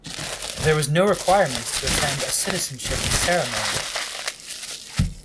There was no requirement to attend a citizenship ceremony.